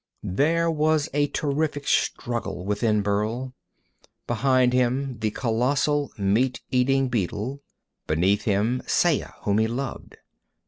There was a terrific struggle within Burl. Behind him the colossal meat eating beetle. Beneath him Saya, whom he loved.